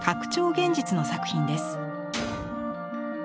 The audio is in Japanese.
現実の作品です。